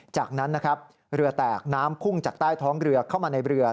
จากนั้นเรือแตกน้ำพุ่งจากใต้ท้องเข้ามาในเรือ